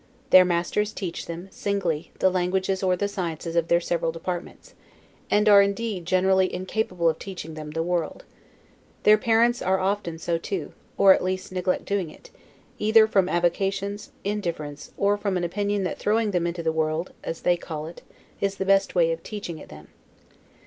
Their masters teach them, singly, the languages or the sciences of their several departments; and are indeed generally incapable of teaching them the world: their parents are often so too, or at least neglect doing it, either from avocations, indifference, or from an opinion that throwing them into the world (as they call it) is the best way of teaching it them.